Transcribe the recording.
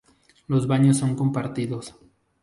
Los baños son compartidos.